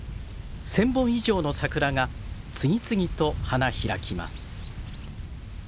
１，０００本以上の桜が次々と花開きます。